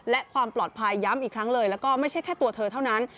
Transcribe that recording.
และความปลอดภัยย้ำอีกครั้งเลยแล้วก็ไม่ใช่แค่ตัวเธอเท่านั้น